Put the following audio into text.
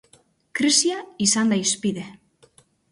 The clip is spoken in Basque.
Krisia izan da hizpide.